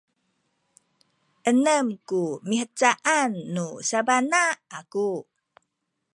enem ku mihcaan nu sabana aku